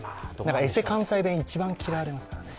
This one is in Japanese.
エセ関西弁、一番嫌われますからね